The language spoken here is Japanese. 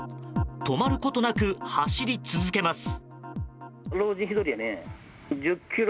止まることなく走り続けます。